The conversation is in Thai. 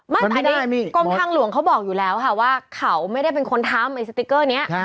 ไม่แต่อันนี้กรมทางหลวงเขาบอกอยู่แล้วค่ะว่าเขาไม่ได้เป็นคนทำไอ้สติ๊กเกอร์นี้